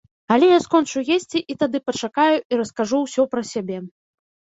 Але я скончу есці і тады пачакаю і раскажу ўсё пра сябе.